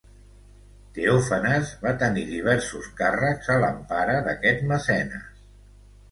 Teòfanes va tenir diversos càrrecs a l'empara d'aquest mecenes.